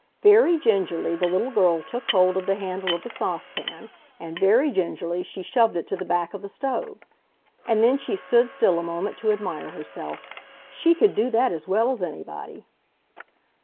Very gingerly the little girl took hold of the handle of the saucepan, and very gingerly she shoved it to the back of the stove. And then she stood still a moment to admire herself. She could do that as well as anybody!